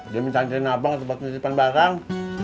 dia mencantikin abang sebab menyimpan barang